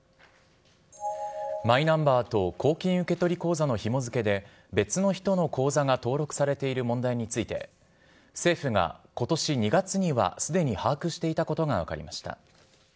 マイナンバーと公金受取口座のひも付けで、別の人の口座が登録されている問題について、政府がことし２月にはすでに把握していたことが分かりました。